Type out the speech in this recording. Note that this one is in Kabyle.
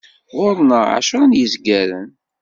Ɣur-neɣ ɛecra n yizgaren.